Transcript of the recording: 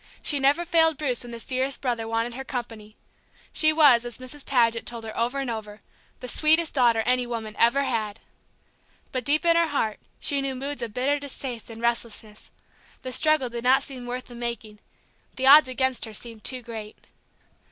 She never failed Bruce when this dearest brother wanted her company; she was, as Mrs. Paget told her over and over, "the sweetest daughter any woman ever had." But deep in her heart she knew moods of bitter distaste and restlessness. The struggle did not seem worth the making; the odds against her seemed too great.